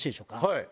はい。